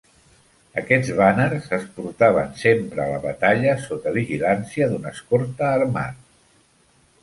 Aquests bàners es portaven sempre a la batalla sota vigilància d'un escolta armat.